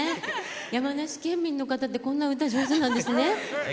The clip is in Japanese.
山梨県民の方ってこんな歌が上手なんですね。